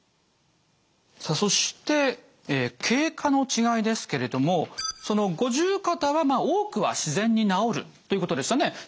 さあそして経過の違いですけれども五十肩は多くは自然に治るということでしたね。